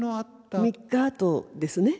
３日あとですね。